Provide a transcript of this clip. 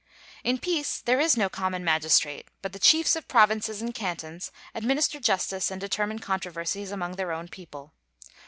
In peace there is no common magistrate, but the chiefs of provinces and cantons administer justice and determine controversies among their own people.